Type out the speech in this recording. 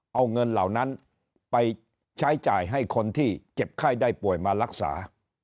เอาเงินเหล่านั้นไปใช้จ่ายให้คนที่เจ็บไข้ได้ป่วยมารักษา